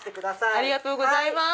ありがとうございます。